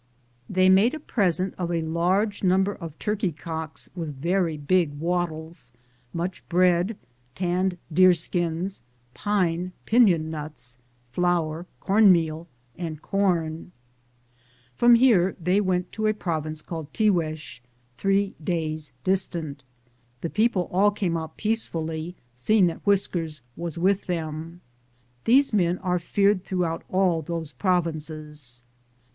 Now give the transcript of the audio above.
They made a present of a large number of [turkey] cocka with very big wattles, much bread, tanned deerskins, pine [pifion] nuts, flour [corn meal], and From here they went to a province called Trigiiex,' three days distant. The people all came out peacefully, seeing that Whiskers, was with them. These men are feared throughout all those provinces.